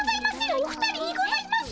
お二人にございます。